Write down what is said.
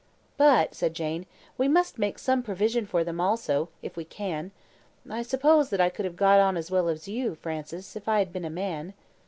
"But," said Jane, "we must make some provision for them also, if we can. I suppose that I could have got on as well as you, Francis, if I had been a man."